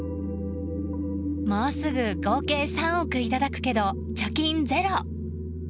もうすぐ合計３億いただくけど貯金ゼロ！